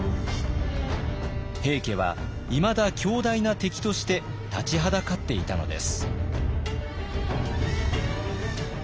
平家はいまだ強大な敵として立ちはだかっていたのです。